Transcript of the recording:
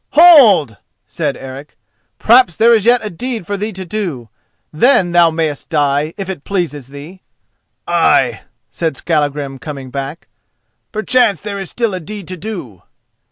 "Hold!" said Eric; "perhaps there is yet a deed for thee to do. Then thou mayest die, if it pleases thee." "Ay," said Skallagrim coming back, "perchance there is still a deed to do!"